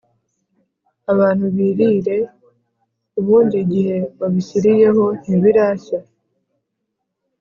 abantu birire, ubundi igihe wabishyiriyeho ntibirashya!